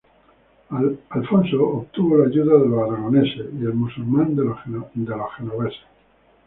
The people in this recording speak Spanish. Alfonso obtuvo la ayuda de los aragoneses, y el musulmán, de los genoveses.